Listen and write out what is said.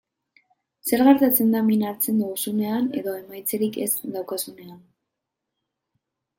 Zer gertatzen da min hartzen duzunean edo emaitzarik ez daukazunean?